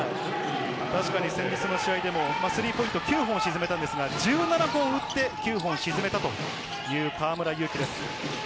先日もスリーポイントを９本沈めましたが、１７本を打って９本沈めたという河村勇輝です。